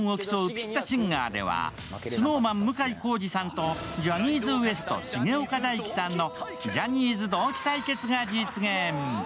「ピッタシンガー」では、ＳｎｏｗＭａｎ・向井康二さんとジャニーズＷＥＳＴ・重岡大毅さんのジャニーズ同期対決が実現。